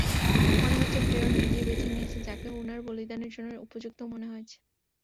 মনে হচ্ছে ফ্রেয়র নিজেই বেছে নিয়েছেন যাকে উনার বলিদানের জন্য উপযুক্ত মনে হয়েছে।